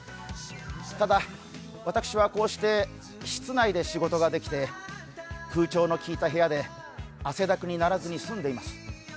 ただ、私はこうして室内で仕事ができて、空調のきいた部屋で汗だくにならずに済んでいます。